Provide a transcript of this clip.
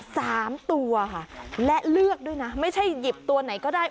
สามตัวค่ะและเลือกด้วยนะไม่ใช่หยิบตัวไหนก็ได้